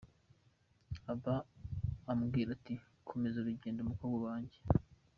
Aba ambwira ati’komeza urugendo mukobwa wanjye.